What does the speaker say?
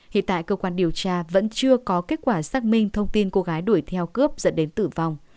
hiện tại cơ quan điều tra vẫn chưa có kết quả xác minh thông tin cô gái đuổi theo cướp dẫn đến tử vong